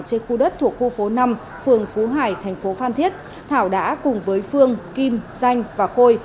trên khu đất thuộc khu phố năm phường phú hải thành phố phan thiết thảo đã cùng với phương kim danh và khôi